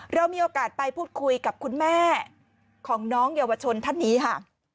เรามีโอกาสไปพูดคุยกับคุณแม่ของน้องเยาวชนท่านนี้ค่ะ